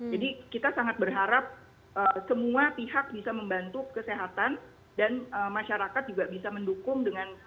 jadi kita sangat berharap semua pihak bisa membantu kesehatan dan masyarakat juga bisa mendukung dengan